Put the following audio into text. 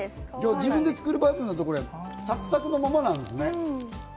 自分で作るバージョンだと、サクサクのままなんですね。